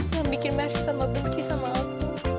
yang bikin mer setamah benci sama aku